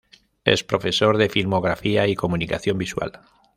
Es profesor de filmografía y comunicación visual.